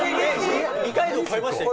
二階堂超えましたよ